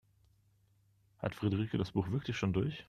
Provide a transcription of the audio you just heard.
Hat Friederike das Buch wirklich schon durch?